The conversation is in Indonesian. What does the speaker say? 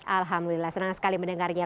alhamdulillah senang sekali mendengarnya